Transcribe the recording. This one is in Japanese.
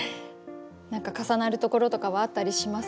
何か重なるところとかはあったりしますか？